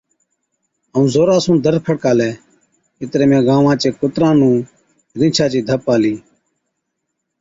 ائُون زورا سُون دَر کڙڪالَي۔ اِتري ۾ گانوان چي ڪُتران نُون رِينڇا چِي ڌپ آلِي،